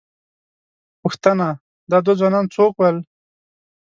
_پوښتنه، دا دوه ځوانان څوک ول؟